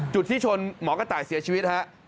จุดที่ชนหมอกระต่ายเสียชีวิตฮะ